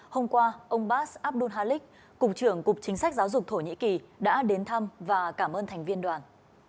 hôm qua ông bas abdul halik cục trưởng cục chính sách giáo dục thổ nhĩ kỳ đã đến thăm và cảm ơn thành viên đoàn